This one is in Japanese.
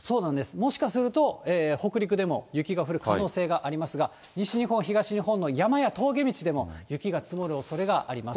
もしかすると、北陸でも雪が降る可能性がありますが、西日本、東日本の山や峠道でも雪が積もるおそれがあります。